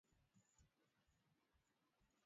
imepunguza muda wa malipo ya hundi